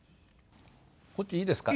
こっちいいですか？